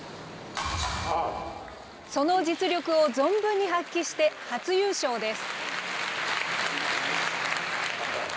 その実力を存分に発揮して、初優勝です。